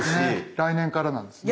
来年からなんですね。